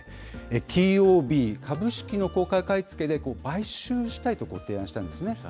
ＴＯＢ・株式の公開買い付けで、買収したいと提案したんですね。